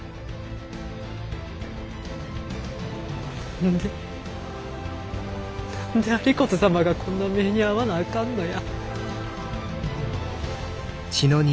何で何で有功様がこんな目にあわなあかんのや。